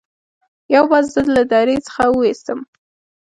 یو باز زه له درې څخه وویستم.